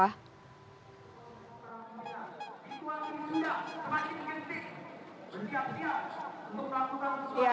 untuk melakukan perusahaan